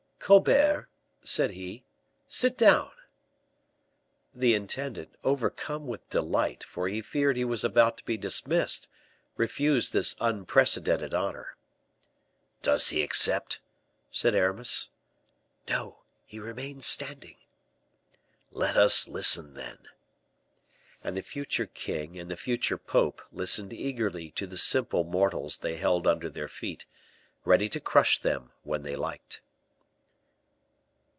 "Colbert," said he, "sit down." The intendant, overcome with delight, for he feared he was about to be dismissed, refused this unprecedented honor. "Does he accept?" said Aramis. "No, he remains standing." "Let us listen, then." And the future king and the future pope listened eagerly to the simple mortals they held under their feet, ready to crush them when they liked.